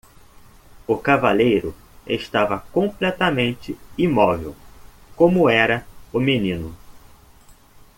O cavaleiro estava completamente imóvel? como era o menino.